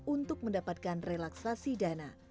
untuk mendapatkan relaksasi dana